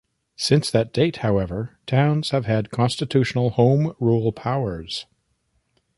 Since that date, however, towns have had constitutional home rule powers.